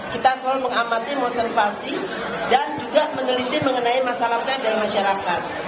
kita selalu mengamati observasi dan juga meneliti masalah masalah masyarakat